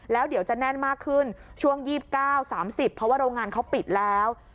แล้วเดี๋ยวจะแน่นมากขึ้นช่วง๒๙๓๐เพราะว่าโรงงานเขาปิดแล้ว